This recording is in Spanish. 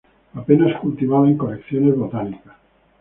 Apenas cultivada en colecciones botánicas.